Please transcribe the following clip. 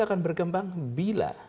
akan berkembang bila